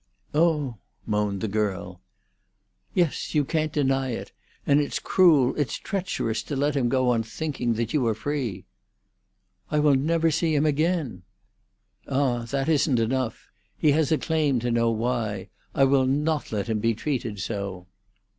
"Oh," moaned the girl. "Yes; you can't deny it. And it's cruel, it's treacherous, to let him go on thinking that you are free." "I will never see him again." "Ah! that isn't enough. He has a claim to know why. I will not let him be treated so."